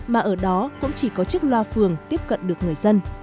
mà ở đó cũng chỉ có chiếc loa phường tiếp cận được người dân